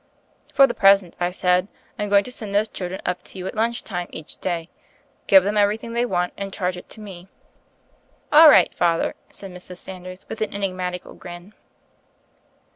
"For the present," I said, "I'm going to send those children up to you at lunch time each day ; give them everything they want, and charge it to me." THE FAIRY OF THE SNOWS 37 "All right, Father," said Mrs. Sanders, with an ehigmatical grin.